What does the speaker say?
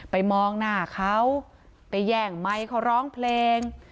มองหน้าเขาไปแย่งไมค์เขาร้องเพลง